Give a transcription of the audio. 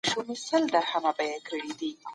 د ارغنداب سیند پر غاړه د ښوونځیو شاګردان تفریح کوي.